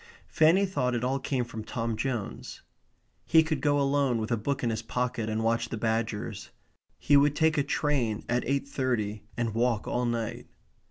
Fanny thought it all came from Tom Jones. He could go alone with a book in his pocket and watch the badgers. He would take a train at eight thirty and walk all night.